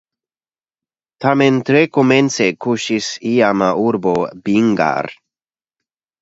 Tamen tre komence kuŝis iama urbo Bhingar.